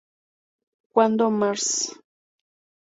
Cuando Mrs.